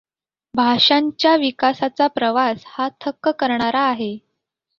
भाषांच्या विकासाचा प्रवास हा थक्क करणारा आहे.